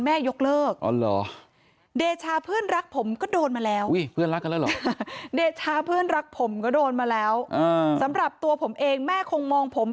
มันยกเลิกไม่ได้ครับตามกฎหมายมันยกเลิกไม่ชอบ